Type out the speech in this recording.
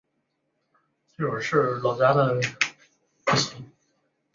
密沙镇为缅甸曼德勒省皎克西县的镇区。